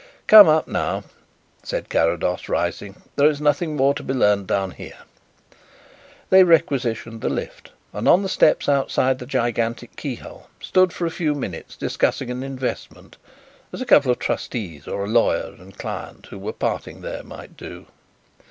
"Come up now," said Carrados, rising. "There is nothing more to be learned down here." They requisitioned the lift, and on the steps outside the gigantic keyhole stood for a few minutes discussing an investment as a couple of trustees or a lawyer and a client who were parting there might do.